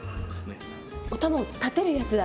お玉を立てるやつだ